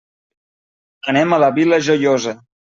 Anem a la Vila Joiosa.